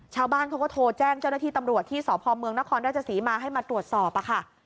ชาวบ้านเขาก็โทรแจ้งเจ้าหน้าที่ตำรวจที่สพเมืองนครราชศรีมาให้มาตรวจสอบค่ะ